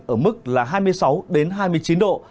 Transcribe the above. ở mức là hai mươi sáu hai mươi chín độ